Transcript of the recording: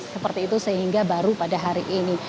seperti itu sehingga baru pada hari ini